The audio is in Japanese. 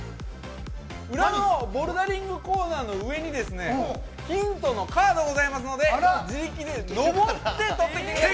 裏のボルダリングコーナーの上に、ヒントのカードがございますので、自力で登って取ってきてください。